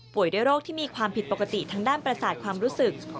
ด้วยโรคที่มีความผิดปกติทางด้านประสาทความรู้สึก